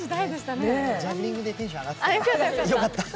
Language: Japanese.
ジャグリングでテンション上がっててよかった。